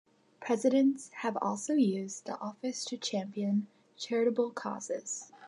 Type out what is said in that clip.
Presidents have also used the office to champion charitable causes.